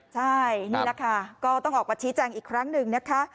ใช่นี่แหละค่ะก็ต้องออกมาชี้แจงอีกครั้งหนึ่งนะคะ